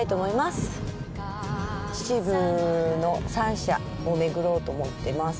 秩父の三社をめぐろうと思ってます。